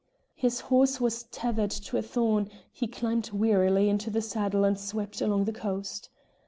His horse was tethered to a thorn; he climbed wearily into the saddle and swept along the coast.